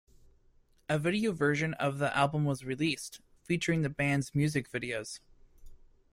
A video version of the album was released, featuring the band's music videos.